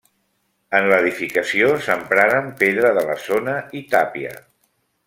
En l'edificació s'empraren pedra de la zona i tàpia.